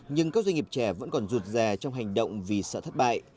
nhưng các doanh nghiệp trẻ vẫn còn rụt rè trong hành động vì sợ thất bại